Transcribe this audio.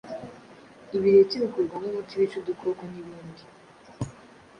ibireti bikurwamo umuti wica udukoko, n’ibindi.